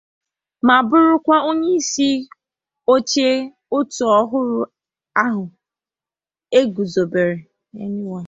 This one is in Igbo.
ma bụrụkwa onyeisi oche òtù ọhụrụ ahụ e guzòbère